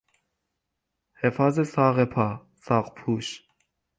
حفاظ ساق پا، ساقپوش